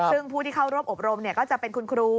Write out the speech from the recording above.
ซึ่งผู้ที่เข้าร่วมอบรมก็จะเป็นคุณครู